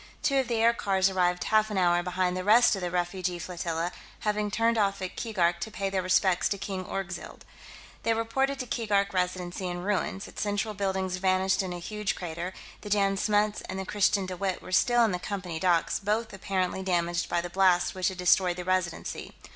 Two of the aircars arrived half an hour behind the rest of the refugee flotilla, having turned off at Keegark to pay their respects to King Orgzild. They reported the Keegark Residency in ruins, its central buildings vanished in a huge crater; the Jan Smuts and the Christiaan De Wett were still in the Company docks, both apparently damaged by the blast which had destroyed the Residency.